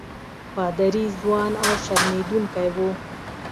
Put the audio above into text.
پادري ځوان او شرمېدونکی وو.